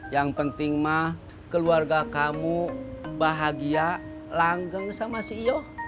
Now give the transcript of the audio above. yang penting mah keluarga kamu bahagia langgeng sama si yo